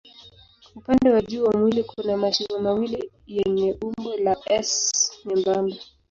Upande wa juu wa mwili kuna mashimo mawili yenye umbo la S nyembamba.